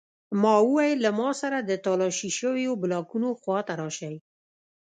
ما وویل له ما سره د تالاشي شویو بلاکونو خواته راشئ